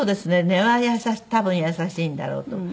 根は多分優しいんだろうと。